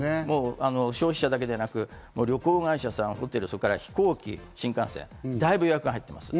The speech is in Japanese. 消費者だけでなく旅行会社、ホテル、飛行機、新幹線、だいぶ予約が入っています。